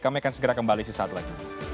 kami akan segera kembali di saat lagi